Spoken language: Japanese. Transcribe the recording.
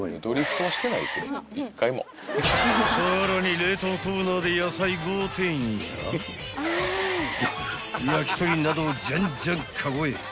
［さらに冷凍コーナーで野菜５点や焼き鳥などをじゃんじゃんカゴへ］